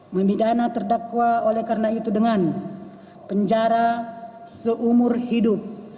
memidana terdakwa oleh karena itu dengan penjara seumur hidup